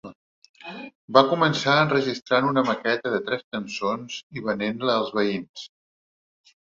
Van començar enregistrant una maqueta de tres cançons i venent-la als veïns.